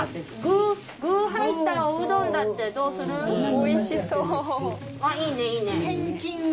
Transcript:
おいしそう。